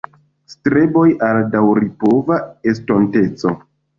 Streboj al daŭripova estonteco"".